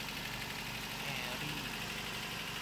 แฮร์รี่